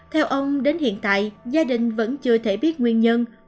theo ông đến hiện tại gia đình vẫn chưa thể biết nguyên nhân